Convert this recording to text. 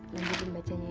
lanjutin bacanya ya